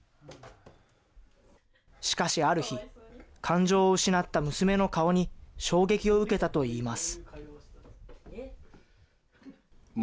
しかしある日、感情を失った娘の顔に衝撃を受けたといいます。